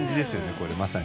これまさに。